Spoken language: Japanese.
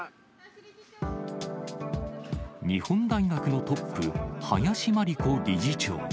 日本大学のトップ、林真理子理事長。